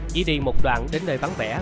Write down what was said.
chỉ đi một đoạn đến nơi vắng vẻ